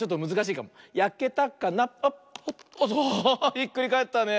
ひっくりかえったね。